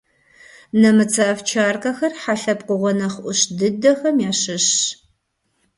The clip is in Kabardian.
Нэмыцэ овчаркэхэр хьэ лъэпкъыгъуэ нэхъ ӏущ дыдэхэм ящыщщ.